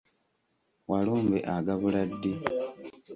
Walumbe agabula ddi?